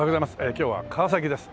今日は川崎です。